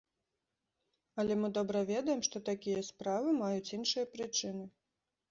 Але мы добра ведаем, што такія справы маюць іншыя прычыны.